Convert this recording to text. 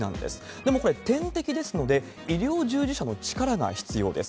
でもこれ、点滴ですので、医療従事者の力が必要です。